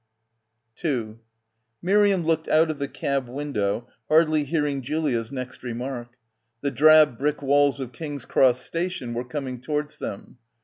5 Miriam looked out of the cab window, hardly hearing Julia's next remark. The drab brick walls of King's Cross station were coming towards them.